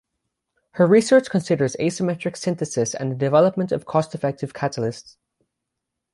Her research considers asymmetric synthesis and the development of cost effective catalysts.